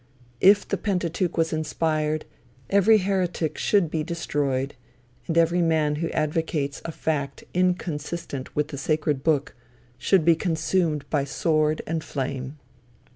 If the Pentateuch was inspired, every heretic should be destroyed; and every man who advocates a fact inconsistent with the sacred book, should be consumed by sword and flame.